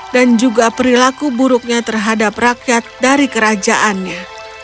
dan juga perilaku buruknya terhadap rakyat dari kerajaannya